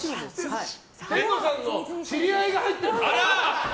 天童さんの知り合いが入ってる。